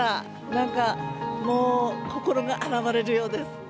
なんかもう、心が洗われるようです。